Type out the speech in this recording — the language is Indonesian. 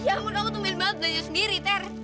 ya aku tuh main banget belanja sendiri ter